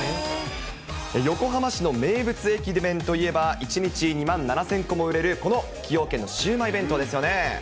横浜市の名物駅弁といえば、１日２万７０００個も売れるこの崎陽軒のシウマイ弁当ですよね。